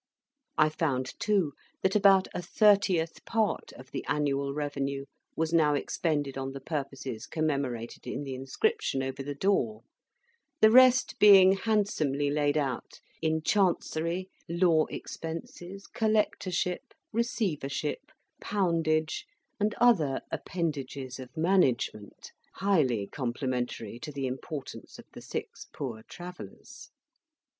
I found, too, that about a thirtieth part of the annual revenue was now expended on the purposes commemorated in the inscription over the door; the rest being handsomely laid out in Chancery, law expenses, collectorship, receivership, poundage, and other appendages of management, highly complimentary to the importance of the six Poor Travellers.